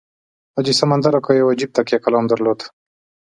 حاجي سمندر اکا یو عجیب تکیه کلام درلود.